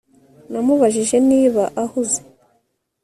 Namubajije niba ahuze